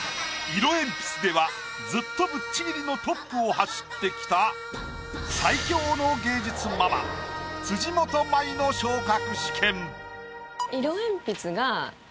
色鉛筆ではずっとぶっちぎりのトップを走ってきた最強の芸術ママ辻元舞の昇格試験。